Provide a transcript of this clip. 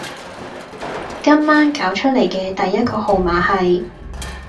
今晚攪出黎嘅第一個號碼係